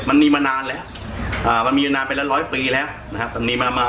มันมีมานานแล้วเอ่อมันมีนานเป็นละร้อยปีแล้วนะครับ